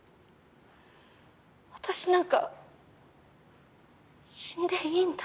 私なんか死んでいいんだ。